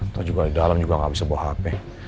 atau juga di dalam juga nggak bisa bawa hp